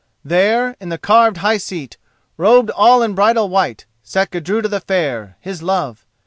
There, in the carved high seat, robed all in bridal white, sat Gudruda the Fair, his love.